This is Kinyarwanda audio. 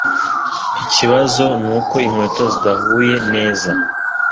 Ikibazo nuko inkweto zidahuye neza.